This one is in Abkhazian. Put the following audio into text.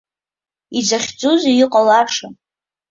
Изахьӡузеи иҟалаша?